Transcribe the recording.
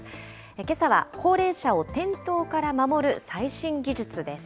けさは高齢者を転倒から守る最新技術です。